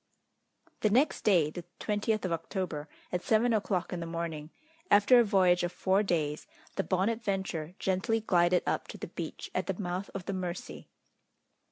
The next day, the 20th of October, at seven o'clock in the morning, after a voyage of four days, the Bonadventure gently glided up to the beach at the mouth of the Mercy.